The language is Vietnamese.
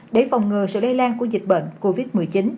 để phòng ngừa sự lây lan của dịch bệnh covid một mươi chín